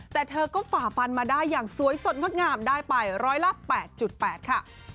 แต่เธอก็ฝ่าฟันมาได้อย่างสวยสดงดงามได้ไปร้อยละ๘๘ค่ะ